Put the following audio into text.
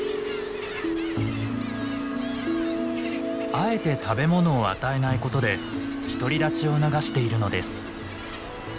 あえて食べ物を与えないことで独り立ちを促しているのです。